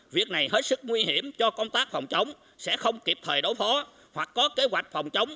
việc này hết sức nguy hiểm cho công tác phòng chống sẽ không kịp thời đối phó hoặc có kế hoạch phòng chống